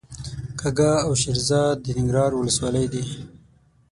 کږه او شیرزاد د ننګرهار ولسوالۍ دي.